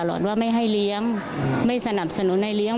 พ่อขอได้ไหมพ่อรัก